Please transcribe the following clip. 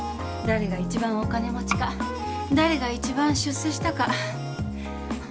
誰が一番お金持ちか誰が一番出世したか。